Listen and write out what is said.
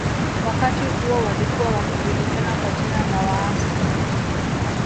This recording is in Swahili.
Wakati huo walikuwa wakijulikana kwa jina la Waasu